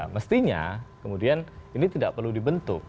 mestinya kemudian ini tidak perlu dibentuk